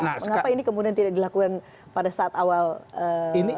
mengapa ini kemudian tidak dilakukan pada saat awal eee